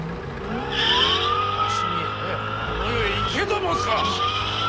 わしに早くあの世へ行けと申すか！